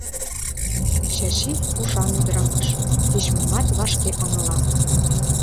Чачи — ушан ӱдырамаш, кеч-момат вашке ыҥыла.